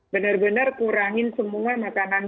benar benar kurangin semua makanan